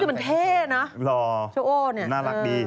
คือมันเท่นะโชโอเนี่ย